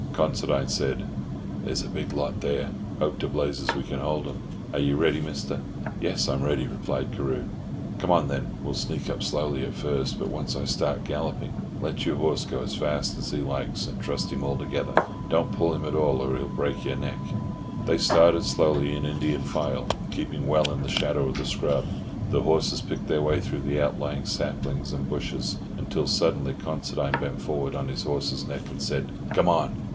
Considine said, "There's a big lot there. Hope to blazes we can hold 'em. Are you ready, Mister?" "Yes, I'm ready," replied Carew. "Come on, then. We'll sneak up slowly at first, but once I start galloping let your horse go as fast as he likes, and trust him altogether. Don't pull him at all, or he'll break your neck." They started slowly in Indian file, keeping well in the shadow of the scrub. The horses picked their way through the outlying saplings and bushes, until suddenly Considine bent forward on his horse's neck, and said, "Come on!"